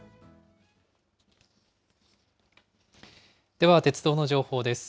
では鉄道の情報です。